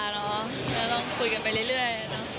ก็ต้องคุยกันไปเรื่อย